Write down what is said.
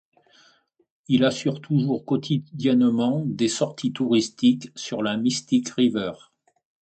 Il assure toujours quotidiennement des sorties touristiques sur la Mystic River.